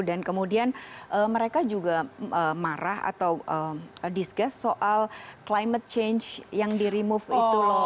dan kemudian mereka juga marah atau disgas soal climate change yang di remove itu loh